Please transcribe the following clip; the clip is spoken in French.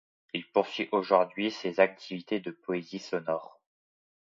Il poursuit aujourd'hui ses activités de poésie sonore.